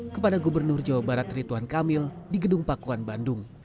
kepada gubernur jawa barat rituan kamil di gedung pakuan bandung